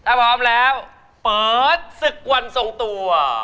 ถ้าพร้อมแล้วเปิดศึกวันทรงตัว